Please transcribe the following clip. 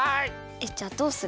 えっじゃあどうする？